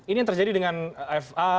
ini yang terjadi dengan fa